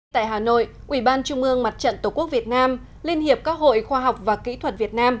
tại hà nội ủy ban trung ương mặt trận tổ quốc việt nam liên hiệp các hội khoa học và kỹ thuật việt nam